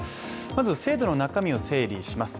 まず制度の中身を整理します。